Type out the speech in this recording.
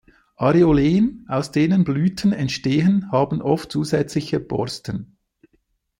Areolen, aus denen Blüten entstehen, haben oft zusätzliche Borsten.